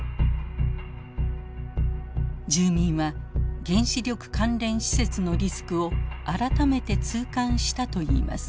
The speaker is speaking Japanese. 住民は原子力関連施設のリスクを改めて痛感したといいます。